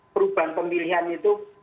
perubahan pemilihan itu